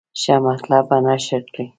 ښه مطالب به نشر کړي.